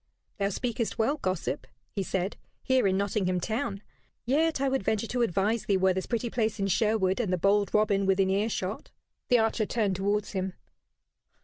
"Thou speakest well, gossip," he said, "here in Nottingham town; yet I would venture to advise thee, were this pretty place in Sherwood and the bold Robin within earshot." The archer turned towards him.